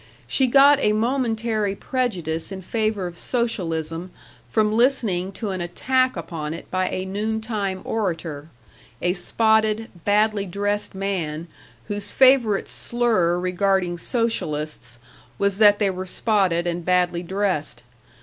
She got a momentary prejudice in favor of socialism from listening to an attack upon it by a noon time orator a spotted, badly dressed man whose favorite slur regarding socialists was that they were spotted and badly dressed.